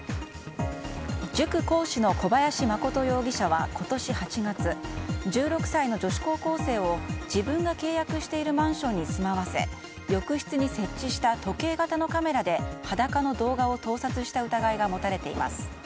塾講師の小林誠容疑者は今年８月１６歳の女子高校生を自分が契約しているマンションに住まわせ浴室に設置した時計型のカメラで裸の動画を盗撮した疑いが持たれています。